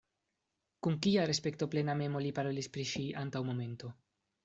Kun kia respektoplena amemo li parolis pri ŝi antaŭ momento.